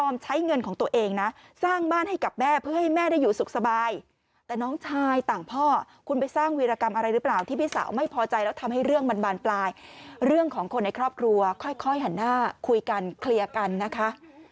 ไม่พอใจแล้วทำให้เรื่องมันบานปลายเรื่องของคนในครอบครัวค่อยหันหน้าคุยกันเคลียร์กันนะคะ